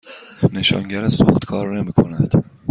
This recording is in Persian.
نشانگر سوخت کار نمی کند.